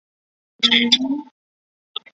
圣马丁利。